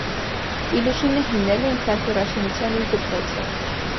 Իլուշինը հիմնել է ինքնաթիռաշինության իր դպրոցը։